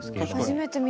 初めて見た。